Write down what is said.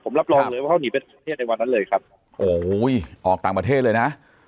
ผมรับรองเลยว่าเขาหนีไปประเทศในวันนั้นเลยครับโอ้โหออกต่างประเทศเลยนะ